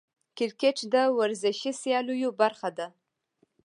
کرکټ د ورزشي سیالیو برخه ده.